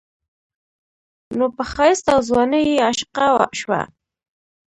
نو پۀ ښايست او ځوانۍ يې عاشقه شوه